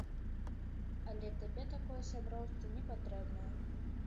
Але табе такое сяброўства непатрэбнае.